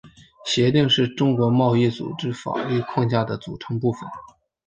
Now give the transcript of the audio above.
协定是世界贸易组织法律框架的组成部分。